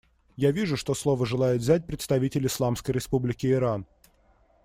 Я вижу, что слово желает взять представитель Исламской Республики Иран.